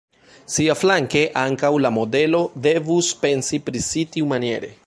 Siaflanke ankaŭ la modelo devus pensi pri si tiumaniere.